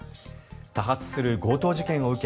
多発する強盗事件を受け